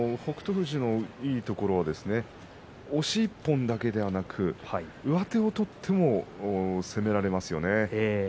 富士のいいところは押し１本だけではなく上手を取っても攻められますね。